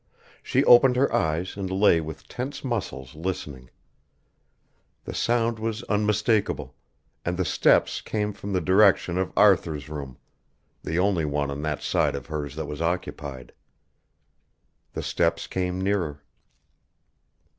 She opened her eyes and lay with tense muscles listening. The sound was unmistakable, and the steps came from the direction of Arthur's room, the only one on that side of hers that was occupied. The steps came nearer.